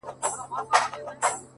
دا هوښیاري نه غواړم؛ عقل ناباب راکه؛